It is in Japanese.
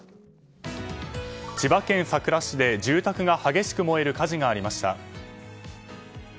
千葉県佐倉市で住宅が激しく燃える火事がありました。